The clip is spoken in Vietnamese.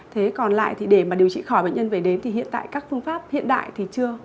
thế còn lại thì để mà điều trị khỏi bệnh nhân về đến thì hiện tại các phương pháp hiện đại thì chưa